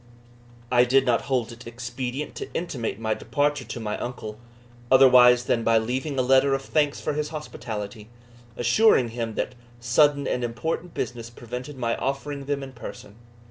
I did not hold it expedient to intimate my departure to my uncle, otherwise than by leaving a letter of thanks for his hospitality, assuring him that sudden and important business prevented my offering them in person.